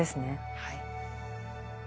はい。